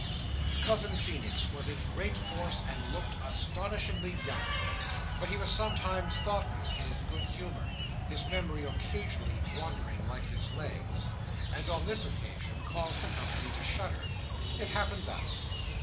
Cousin Feenix was in great force, and looked astonishingly young. But he was sometimes thoughtless in his good humour—his memory occasionally wandering like his legs—and on this occasion caused the company to shudder. It happened thus.